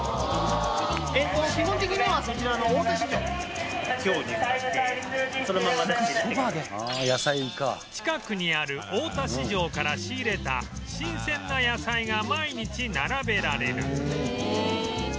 基本的にはそちらの近くにある大田市場から仕入れた新鮮な野菜が毎日並べられる